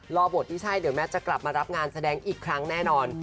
รอบทที่ใช่เดี๋ยวแม่จะกลับมารับงานแสดงอีกครั้งแน่นอน